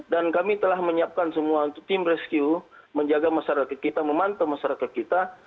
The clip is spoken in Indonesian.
dan kami telah menyiapkan semua untuk tim rescue menjaga masyarakat kita memantau masyarakat kita